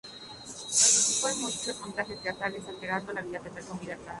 Participó en muchos montajes teatrales, alternando la vida teatral con la vida galante.